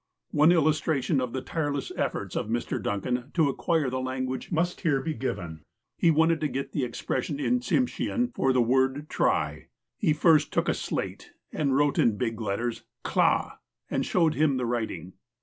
One illustration of the tireless efforts of Mr. Duncan to acquire the language must here be given : He wanted to get the expression in Tsimshean for the word '' try." He first took a slate, and wrote in big letters, '' Clah," and showed him the writing.